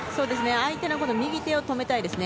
相手の右手を止めたいですね。